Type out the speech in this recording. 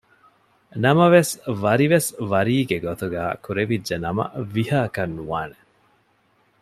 ނަމަވެސް ވަރިވެސް ވަރީގެ ގޮތުގައި ކުރެވިއްޖެ ނަމަ ވިހައަކަށް ނުވާނެ